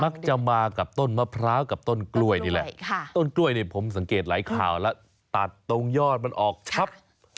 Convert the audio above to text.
มักจะมากับต้นมะพร้าวกับต้นกล้วยนี่แหละต้นกล้วยเนี่ยผมสังเกตหลายข่าวแล้วตัดตรงยอดมันออกชับ